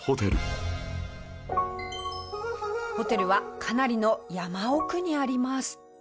ホテルはかなりの山奥にあります。